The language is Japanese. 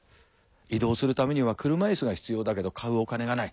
移動するためには車いすが必要だけど買うお金がない。